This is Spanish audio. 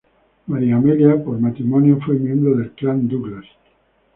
María Amelia, por matrimonio, fue miembro del Clan Douglas.